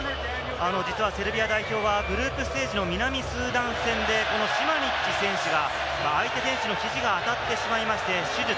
実はセルビア代表はグループステージの南スーダン戦でシマニッチ選手が相手選手の肘が当たってしまいまして手術。